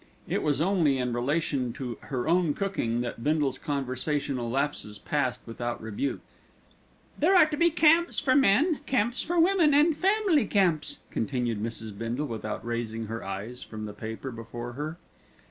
It was only in relation to her own cooking that Bindle's conversational lapses passed without rebuke. "There are to be camps for men, camps for women, and family camps," continued Mrs. Bindle without raising her eyes from the paper before her.